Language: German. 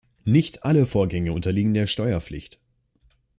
Nicht alle Vorgänge unterliegen der Steuerpflicht.